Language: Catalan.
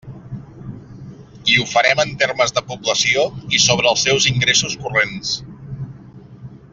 I ho farem en termes de població i sobre els seus ingressos corrents.